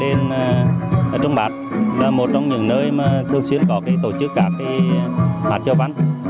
đền trung bát là một trong những nơi mà thường xuyên có tổ chức các phạt châu bán